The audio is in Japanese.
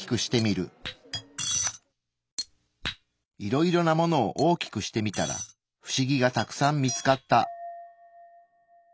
いろいろなものを大きくしてみたらフシギがたくさん見つかった。